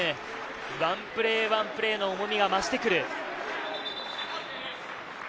ワンプレーワンプレーの重みが増してくる。